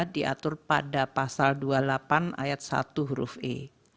diatur pada pasal dua puluh delapan ayat satu huruf e